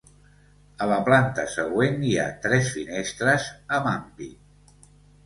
A la planta següent hi ha tres finestres amb ampit.